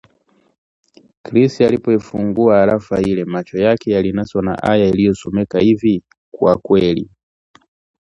Chris alipoifungua arafa ile macho yake yalinaswa na aya iliyosomeka hivi; “Kwa kweli